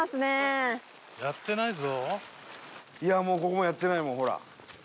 いやもうここもやってないもんほら。